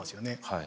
はい。